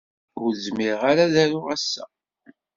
Ur zmireɣ ara ad aruɣ ass-a.